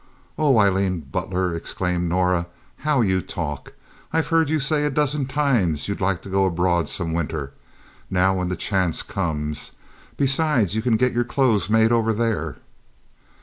"Oh, Aileen Butler!" exclaimed Norah. "How you talk! I've heard you say a dozen times you'd like to go abroad some winter. Now when the chance comes—besides you can get your clothes made over there."